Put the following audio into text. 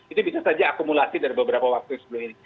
itu bisa saja akumulasi dari beberapa waktu sebelum ini